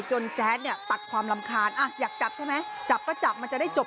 แจ๊ดเนี่ยตัดความรำคาญอยากจับใช่ไหมจับก็จับมันจะได้จบ